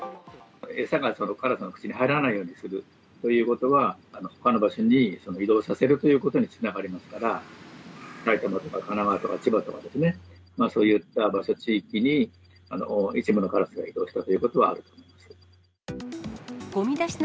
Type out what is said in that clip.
餌がカラスの口に入らないようにするということは、ほかの場所に移動させるということにつながりますから、埼玉とか神奈川とか千葉とかですね、そういった場所、地域に一部のカラスが移動したということはあると思います。